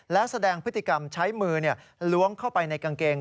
และแสดงพฤติกรรมใช้มือล้วงเข้าไปในกางเกง